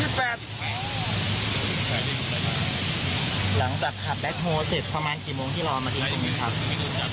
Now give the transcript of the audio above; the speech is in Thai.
หลังจากขับแบ็คโฮล์เสร็จประมาณกี่โมงที่เราเอามาทิ้งตรงนี้ครับ